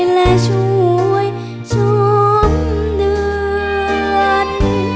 และช่วยชมเดือน